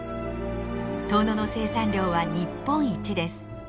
遠野の生産量は日本一です。